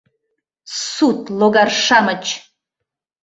Сут логар-шамыч!